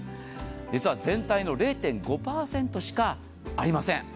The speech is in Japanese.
実は全体の０．５％しかありません。